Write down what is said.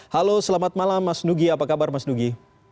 halo selamat malam mas nugi apa kabar mas nugi